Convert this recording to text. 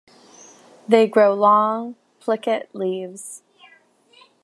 They grow long, plicate leaves.